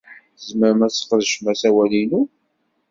Tzemrem ad tesqedcem asawal-inu.